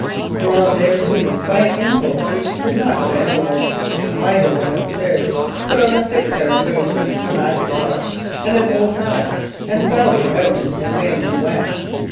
Drawn thereto by an impulse which she could not have analysed, Ida went upstairs, put on a thick pair of boots, a macintosh and an old hat. Then she sallied out into the wind and wet.